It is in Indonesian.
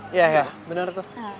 iya iya bener tuh